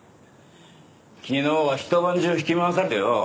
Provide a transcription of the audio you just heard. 昨日はひと晩中引き回されてよ。